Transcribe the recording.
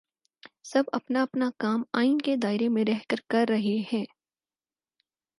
سب اپنا اپنا کام آئین کے دائرے میں رہ کر رہے ہیں۔